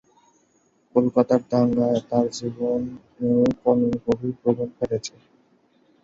কলকাতার দাঙ্গা তার জীবন ও কর্মে গভীর প্রভাব ফেলে।